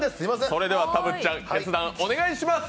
それでは田渕ちゃん、決断お願いします。